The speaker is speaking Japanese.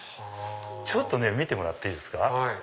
ちょっとね見てもらっていいですか。